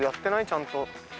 ちゃんと。